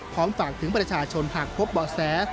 พร้อมฝากถึงประชาชนหากพบเบาะแส